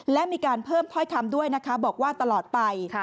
และมีการเพิ่มถ้อยคำด้วยนะคะบอกว่าตลอดไป